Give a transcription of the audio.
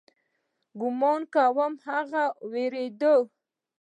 ګومان کوم هغه وېرېده.